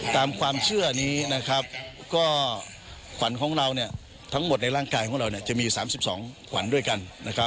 ตามความเชื่อนี้ก็ขวัญของเราทั้งหมดในร่างกายของเราจะมี๓๒ขวัญด้วยกัน